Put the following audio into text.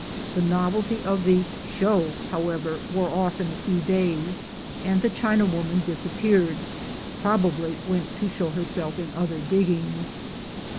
The novelty of the "show," however, wore off in a few days, and the Chinawoman disap peared — probably went to show herself in other diggings.